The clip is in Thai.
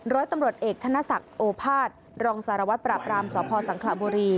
ร้อยตำรวจเอกธนศักดิ์โอภาษย์รองสารวัตรปราบรามสพสังขระบุรี